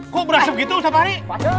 kok berasap gitu ustadz ari